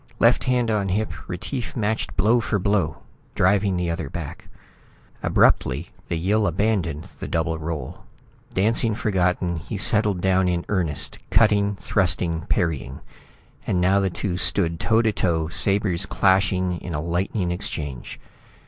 Left hand on hip, Retief matched blow for blow, driving the other back. Abruptly, the Yill abandoned the double role. Dancing forgotten, he settled down in earnest, cutting, thrusting, parrying; and now the two stood toe to toe, sabres clashing in a lightning exchange.